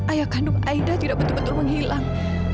ayah kandung aida tidak betul betul menghilang